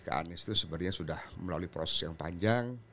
keanis itu sebenarnya sudah melalui proses yang panjang